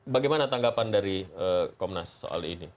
bagaimana tanggapan dari komnas soal ini